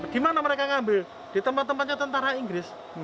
di mana mereka ngambil di tempat tempatnya tentara inggris